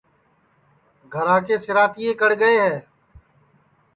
گھرا کے سِراتئے کڑ گئے ہے